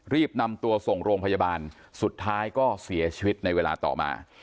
รีบนำตัวส่งโรงพยาบาลสุดท้ายก็เสียชีวิตในเวลาต่อมา